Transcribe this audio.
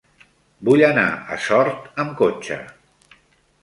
Vull anar a Sort amb cotxe.